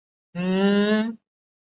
第一次怪兽热潮